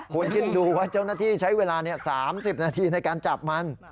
คุณคิดดูว่าเจ้าหน้าที่ใช้เวลา๓๐นาทีในการจับมัน